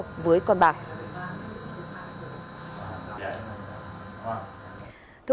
hẹn gặp lại các bạn trong những video tiếp theo